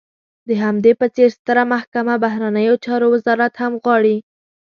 د همدې په څېر ستره محکمه، بهرنیو چارو وزارت هم غواړي.